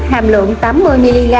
hàm lượng tám mươi mg